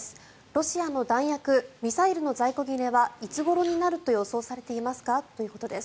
ロシアの弾薬ミサイルの在庫切れはいつごろになると予想されていますかということです。